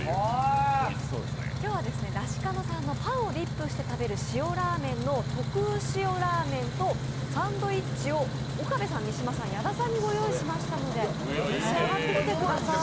今日はだしかのさんのパンをディップして食べる特潮ラーメンとサンドイッチを岡部さん、三島さん矢田さんにご用意しましたので召し上がってみてください。